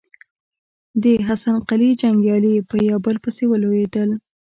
د حسن قلي جنګيالي يو په بل پسې لوېدل.